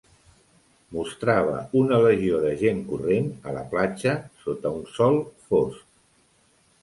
Mostrava una legió de gent corrent a la platja sota un sol fosc.